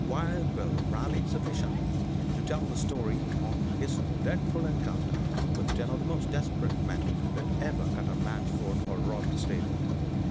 Wild Bill rallied sufficiently to tell the story of his dreadful encounter with ten of the most desperate men that ever cut a man's throat or robbed a stable.